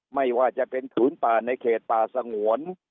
ไม่ว่าจะเป็นผืนป่าในเขตป่าสงวน